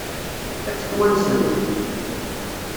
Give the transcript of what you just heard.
Ad tt-twansem?